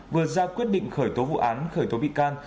vừa ra quyết định khởi tố vụ án khởi tố bị can